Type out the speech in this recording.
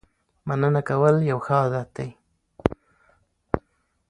مننه کول یو ښه عادت دی.